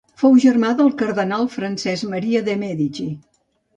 Fou germà del cardenal Francesc Maria de Mèdici.